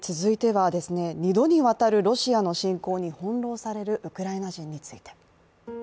一方で続いては、２度にわたるロシアの侵攻に翻弄されるウクライナ人について。